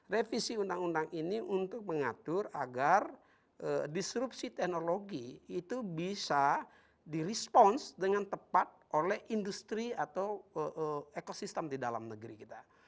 revisi undang undang ini untuk mengatur agar disrupsi teknologi itu bisa di response dengan tepat oleh industri atau ekosistem di dalam negeri kita